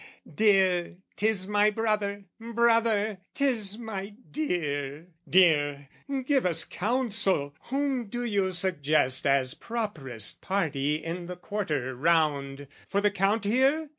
"'Dear, 'tis my brother: brother, 'tis my dear. "'Dear, give us counsel! Whom do you suggest "'As properest party in the quarter round, "'For the Count here?